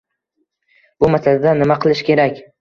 Bu masalada nima qilish kerak?